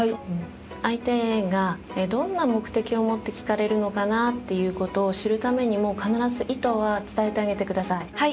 相手がどんな目的を持って聞かれるのかなっていうことを知るためにも必ず意図は伝えてあげてください。